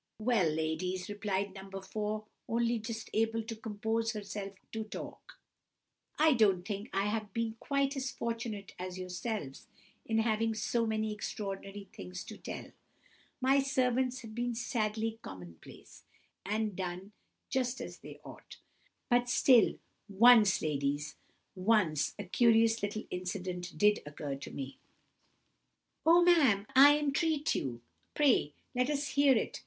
"Well, ladies," replied No. 4, only just able to compose herself to talk, "I don't think I have been quite as fortunate as yourselves in having so many extraordinary things to tell. My servants have been sadly common place, and done just as they ought. But still, once, ladies—once, a curious little incident did occur to me." "Oh, ma'am, I entreat you—pray let us hear it!"